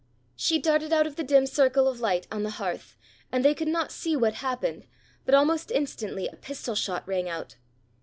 She darted out of the dim circle of light on the hearth, and they could not see what happened, but almost instantly a pistol shot rang out.